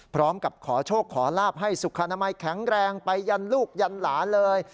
พร้อมกับขอโชคขอลาบให้สุขอนามัยแข็งแรงไปยันลูกยันหลานเลย